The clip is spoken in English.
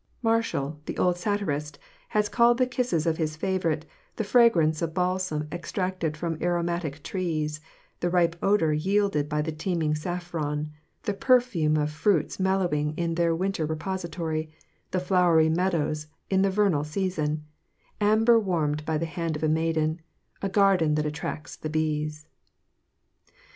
Martial, the old satirist, has called the kisses of his favorite "the fragrance of balsam extracted from aromatic trees; the ripe odor yielded by the teeming saffron; the perfume of fruits mellowing in their winter repository; the flowery meadows in the vernal season; amber warmed by the hand of a maiden; a garden that attracts the bees."